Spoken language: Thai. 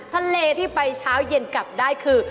ทะเลที่ไปเช้าเย็นกลับได้คือ